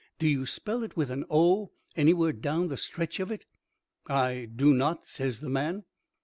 "Do you spell it with an 'o' anywhere down the stretch of it?" "I do not," says the man.